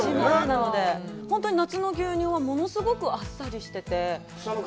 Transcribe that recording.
本当に夏の牛乳は物すごくあっさりしてて。